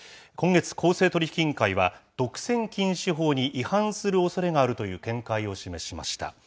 今月、公正取引委員会は、独占禁止法に違反するおそれがあるという見解を示しました。